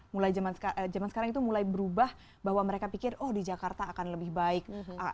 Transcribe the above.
karena zaman sekarang itu mulai berubah bahwa mereka pikir oh di jakarta akan lebih baik